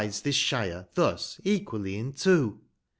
s this Shire thus eipially in two.